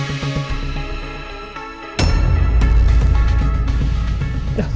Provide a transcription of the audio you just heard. masih aman kamu